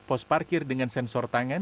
pos parkir dengan sensor tangan